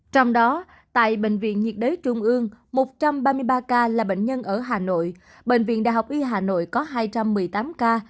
trong đó tại bệnh viện nhiệt đới trung ương một trăm ba mươi ba ca là bệnh nhân ở hà nội bệnh viện đại học y hà nội có hai trăm một mươi tám ca